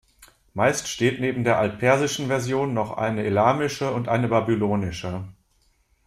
Meist steht neben der altpersischen Version noch eine elamische und eine babylonische.